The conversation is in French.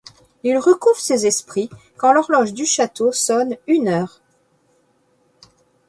Il recouvre ses esprits quand l'horloge du château sonne une heure.